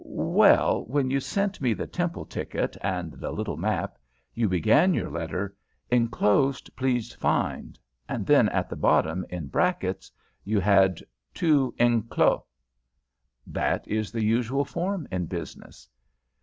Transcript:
"Well, when you sent me the temple ticket and the little map, you began your letter, 'Enclosed, please find,' and then at the bottom, in brackets, you had '2 enclo.'" "That is the usual form in business."